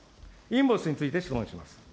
インボイスについて質問します。